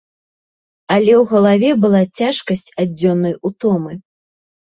Але ў галаве была цяжкасць ад дзённай утомы.